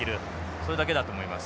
それだけだと思います。